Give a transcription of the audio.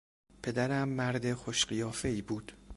پدرم مرد خوش قیافهای بود.